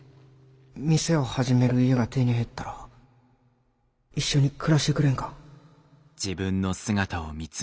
店を始める家が手に入ったら一緒に暮らしてくれんか？